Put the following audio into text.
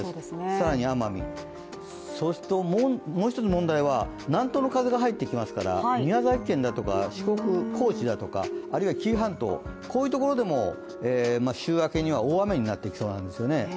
更に奄美、もう一つ問題は南東の風が入ってきますから宮崎県だとか四国、高知だとかあるいは紀伊半島、こういうところでも週明けには大雨になってきそうなんですよね。